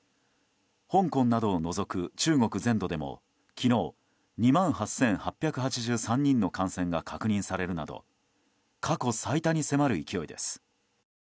香港などを除く中国全土でも昨日、２万８８８３人の感染が確認されるなど過去最多に迫る勢いです。